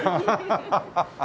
ハハハハ。